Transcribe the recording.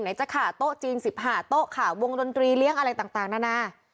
ไหนจ้ะค่ะโต๊ะจริงสิบหาโต๊ะค่ะวงดนตรีเลี้ยงอะไรต่างน่ะน่ะ